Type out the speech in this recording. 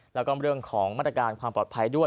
แล้วก็เรื่องของมาตรการความปลอดภัยด้วย